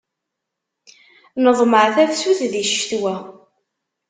Neḍmeɛ tafsut di ccetwa.